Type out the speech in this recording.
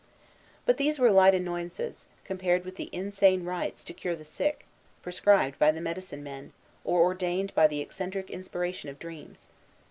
But these were light annoyances, compared with the insane rites to cure the sick, prescribed by the "medicine men," or ordained by the eccentric inspiration of dreams.